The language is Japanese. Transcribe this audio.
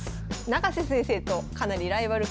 永瀬先生とかなりライバル関係。